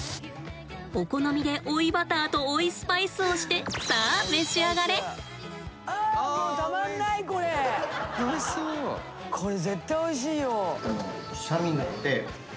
お好みで追いバターと追いスパイスをしてさあこれ絶対おいしいよ。